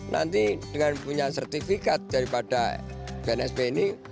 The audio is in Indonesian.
nanti dengan punya sertifikat daripada bnsp ini